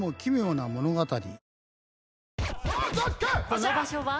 この場所は？